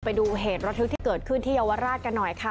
ไปดูเหตุระทึกที่เกิดขึ้นที่เยาวราชกันหน่อยค่ะ